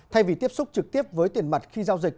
thay vì tiếp xúc trực tiếp với tiền mặt khi giao dịch